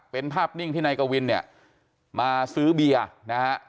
เป็นภาพนิ่งที่นายกวินเนี่ยมาซื้อเบียร์นะฮะ